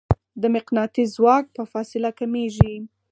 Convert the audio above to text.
د مقناطیس ځواک په فاصلې کمېږي.